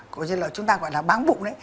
cổ trứng là chúng ta gọi là báng bụng